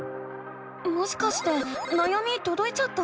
もしかしてなやみとどいちゃった？